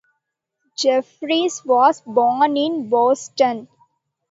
Jeffries was born in Boston.